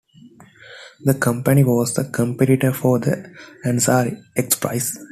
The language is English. The company was a competitor for the Ansari X-Prize.